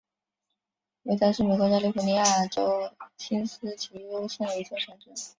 威德是美国加利福尼亚州锡斯基尤县的一座城市。